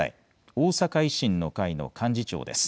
大阪維新の会の幹事長です。